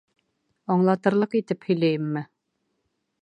Аңлатырлыҡ итеп һөйләйемме?